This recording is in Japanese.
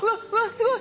すごい！